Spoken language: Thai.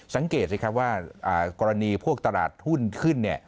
สังเกตสิครับว่ากรณีพวกตลาดหุ้นขึ้น